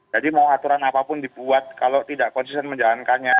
jadi mau aturan apapun dibuat kalau tidak konsisten menjalankannya